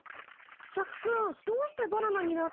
シャクくんどうしてバナナになったの？